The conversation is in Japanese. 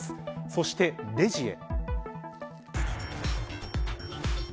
そしてレジへ。